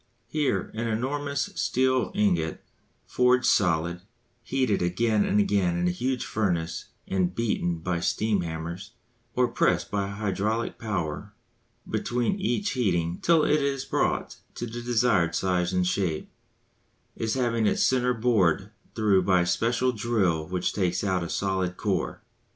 Here an enormous steel ingot, forged solid, heated again and again in a huge furnace and beaten by steam hammers, or pressed by hydraulic power between each heating till it is brought to the desired size and shape, is having its centre bored through by a special drill which takes out a solid core.